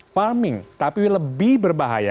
farming tapi lebih berbahaya